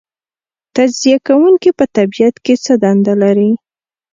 تجزیه کوونکي په طبیعت کې څه دنده لري